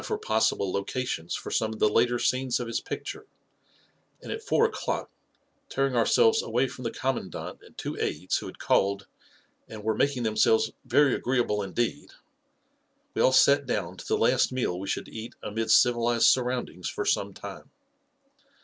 for possible locations for some of the later scenes of his picture, and at four o'clock — tearing our selves away from the Commandant and two aides who had called and were making themselves very agreeable indeed! — we all sat down to the last meal we should eat amid civilized surroundings for some time.